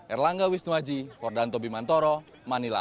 erlangga wisnuaji fordanto bimantoro manila